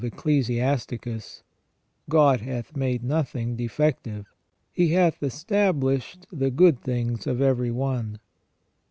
269 Ecclesiasticus :" God hath made nothing defective. He hath established the good things of every one."